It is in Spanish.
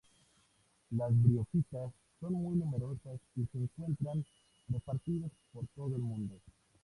Las briófitas son muy numerosas y se encuentran repartidas por todo el mundo.